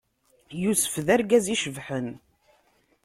Yusef, d argaz icebḥen.